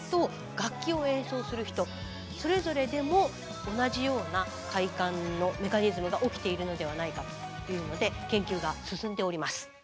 楽器を演奏する人それぞれでも同じような快感のメカニズムが起きているのではないかというので研究が進んでおります。